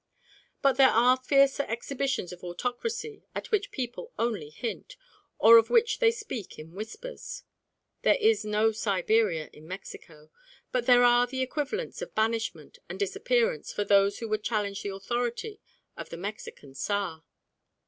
But there are fiercer exhibitions of autocracy at which people only hint, or of which they speak in whispers. There is no Siberia in Mexico, but there are the equivalents of banishment and disappearance for those who would challenge the authority of the Mexican Tsar.